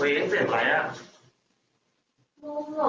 มันสรรสเทือนแมวสดุ้งไปหมดเลยครับ